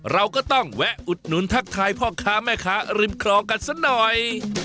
เราก็ต้องแวะอุดหนุนทักทายพ่อค้าแม่ค้าริมครองกันสักหน่อย